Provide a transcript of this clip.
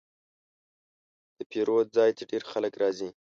د پیرود ځای ته ډېر خلک راځي.